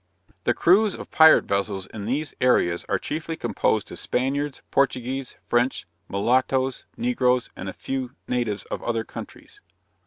_] The crews of pirate vessels in these seas are chiefly composed of Spaniards, Portuguese, French, Mulattoes, Negroes, and a few natives of other countries.